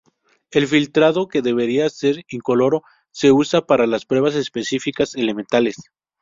El filtrado, que deberá ser incoloro, se usa para las pruebas específicas elementales.